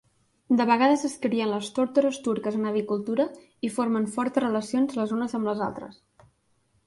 De vegades es crien les tórtores turques en avicultura i formen fortes relacions les unes amb les altres.